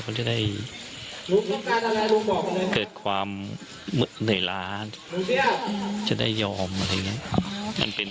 เขาจะได้เกิดความเหนื่อยล้าจะได้ยอมอะไรอย่างนี้